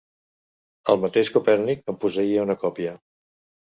El mateix Copèrnic en posseïa una còpia.